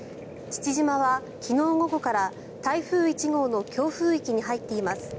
父島は昨日午後から台風１号の強風域に入っています。